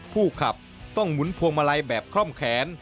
ผู้ขับต้องหมุนพวงมาลัยแบบคล่อมแขน